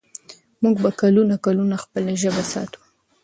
موږ به کلونه کلونه خپله ژبه ساتو.